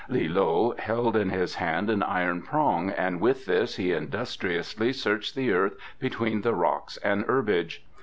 Li loe held in his hand an iron prong, and with this he industriously searched the earth between the rocks and herbage.